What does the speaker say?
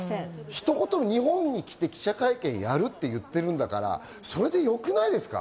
日本に来て記者会見やるって言ってるんだから、それでよくないですか？